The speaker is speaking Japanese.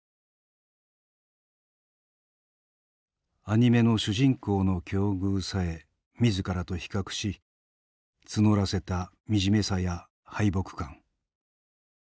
アニメの主人公の境遇さえ自らと比較し募らせた惨めさや敗北感。